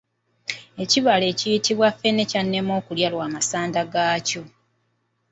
Ekibala ekiyitibwa ffene kyannema okulya lwa masanda gaakyo.